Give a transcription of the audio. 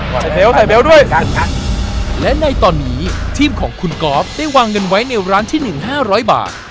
ถ่ายเบลด้วยและในตอนนี้ทีมของคุณกอล์ฟได้วางเงินไว้ในร้านที่หนึ่งห้าร้อยบาท